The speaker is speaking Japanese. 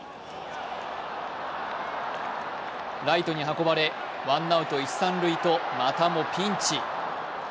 ライトに運ばれワンアウト一・三塁とまたもピンチ。